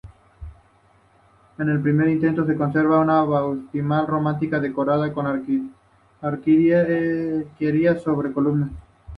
En el interior se conserva una pila bautismal románica decorada con arquerías sobre columnas.